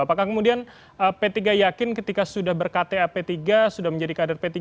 apakah kemudian p tiga yakin ketika sudah berkata p tiga sudah menjadi kader p tiga